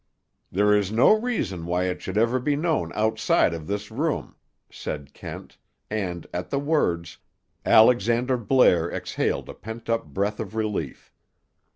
"There is no reason why it should ever be known outside of this room," said Kent, and, at the words, Alexander Blair exhaled a pent up breath of relief.